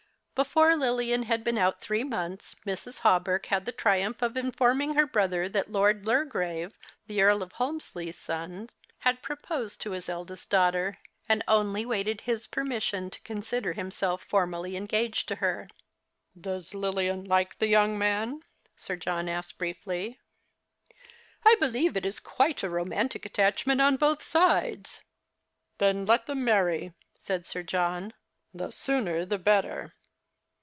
Before Lilian had been out three months Mrs. Ha\\berk had the triumph of informing her brother that Lord Lurgrave, the Earl of Holmsley's son, had proposed to his elder daughter, and only waited his permission to consider himself formally engaged to her. " Does Lilian like the young man ?" Sir John asked briefly. " I believe it is quite a romantic attachment on both sides." " Then let them marry," said Sir John ;" the sooner the better."